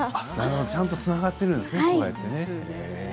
ちゃんとつながっているんですね。